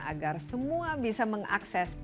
agar semua bisa mengakses